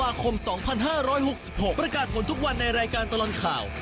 วาคมสองพันห้าร้อยหกสิบหกประกาศหมดทุกวันในรายการตลอดข่าว